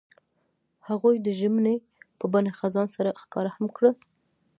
هغوی د ژمنې په بڼه خزان سره ښکاره هم کړه.